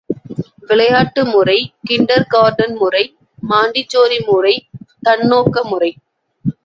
விளையாட்டு முறை, kinder garden முறை, மாண்டிசோரி முறை, தன்னோக்க முறை.